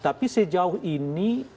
tapi sejauh ini